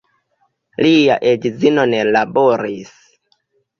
Lia edzino ne laboris.